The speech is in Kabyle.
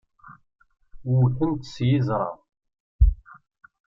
Wwten-tt s yiẓṛa.